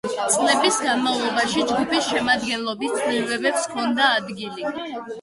წლების განმავლობაში ჯგუფის შემადგენლობის ცვლილებებს ჰქონდა ადგილი.